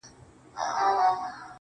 كلي كي ملا سومه ،چي ستا سومه